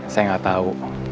saya gak tau